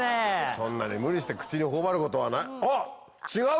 そんなに無理して口に頬張ることはあっ違う！